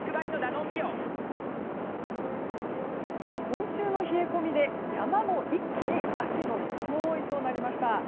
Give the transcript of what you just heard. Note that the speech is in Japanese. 今週の冷え込みで山も一気に秋の装いとなりました。